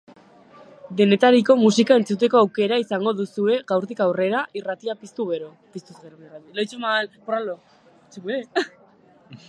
Denetariko musika entzuteko aukera izango duzue gaurtik aurrera, irratia piztuz gero.